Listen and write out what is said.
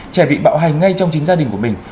trẻ bị bạo hành ngay trong chính gia đình của mình